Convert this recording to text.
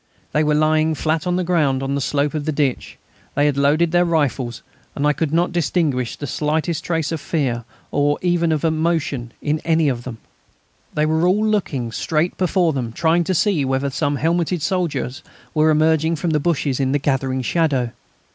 They were lying flat on the ground on the slope of the ditch; they had loaded their rifles, and I could not distinguish the slightest trace of fear or even of emotion in any one of them. They were all looking straight before them trying to see whether some helmeted soldier were emerging from the bushes in the gathering shadow.